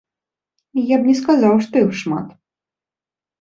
Я б не сказаў, што іх шмат.